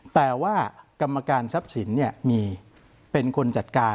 แต่ว่ากรรมการทรัพย์สินมีเป็นคนจัดการ